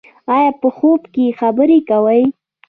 ایا په خوب کې خبرې کوئ؟